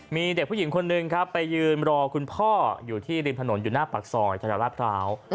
มีเด็กผู้หญิงคนหนึ่งครับไปยืนรอคุณพ่ออยู่ที่ริมถนนอยู่หน้าปากซอยแถวราชพร้าว